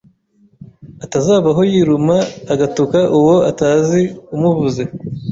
atazavaho yiruma agatuka uwo atazi umuvuze,